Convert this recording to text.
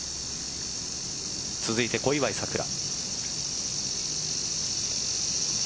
続いて小祝さくら。